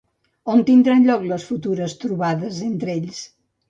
On tindran lloc les futures trobades entre ells?